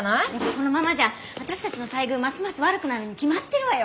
このままじゃ私たちの待遇ますます悪くなるに決まってるわよ！